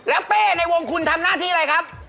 แล้วเป้ในวงคุณทำหน้าที่อะไรครับ